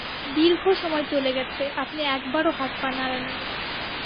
দীর্ঘ সময় চলে গেছে, আপনি একবারও হাত বা পা নাড়ান নি।